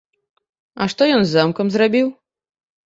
А што ён з замкам зрабіў?